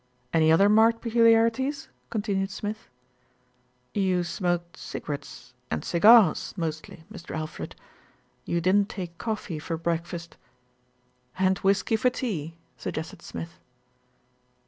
"Any other marked peculiarities?" continued Smith. "You smoked cigarettes and cigars mostly, Mr. Al fred. You didn't take coffee for breakfast " "And whisky for tea," suggested Smith.